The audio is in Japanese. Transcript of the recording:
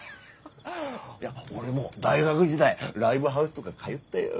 いや俺も大学時代ライブハウスとか通ったよ。